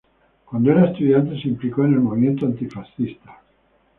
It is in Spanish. Cuando era estudiante se implicó en el movimiento antifascista.